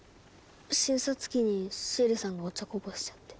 診察機にシエリさんがお茶こぼしちゃって。